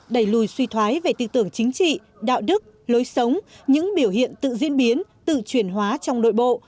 đẩy lùi suy thoái về tư tưởng chính trị đạo đức lối sống những biểu hiện tự diễn biến tự chuyển hóa trong nội bộ